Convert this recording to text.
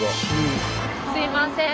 すいません！